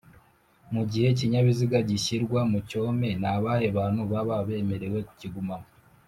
mugihe ikinyabiziga gishyirwa mu cyome Nabahe bantu baba bemerewe kukigumamo